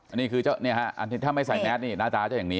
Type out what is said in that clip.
อันนี้คือถ้าไม่ใส่แนสหน้าตาจะอย่างนี้